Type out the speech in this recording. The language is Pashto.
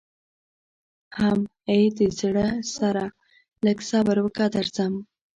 حم ای د زړه سره لږ صبر وکه درځم.